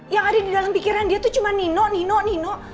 yang ada di dalam pikiran dia tuh cuma nino nino nino